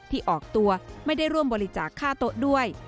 ที่ออกตัวไม่ได้ร่วมบริจาคค่าโต๊ะด้วย